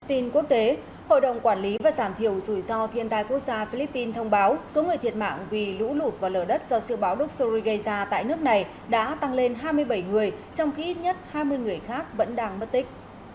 tin quốc tế hội đồng quản lý và giảm thiểu rủi ro thiên tai quốc gia philippines thông báo số người thiệt mạng vì lũ lụt và lở đất do siêu báo doxury gây ra tại nước này đã tăng lên hai mươi bảy người trong khi ít nhất hai mươi người khác vẫn đang mất tích